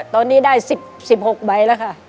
ตอนนี้ได้๑๖ใบแล้วค่ะ